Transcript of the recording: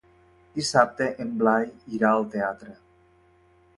Dissabte en Blai irà al teatre.